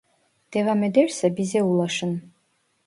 Devam ederse bize ulaşın